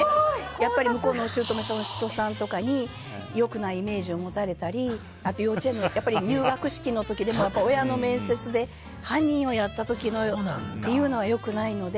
やっぱり向こうのお姑さんとかに良くないイメージを持たれたり幼稚園の入学式の時とか親の面接で犯人をやった時のとかというのは良くないので。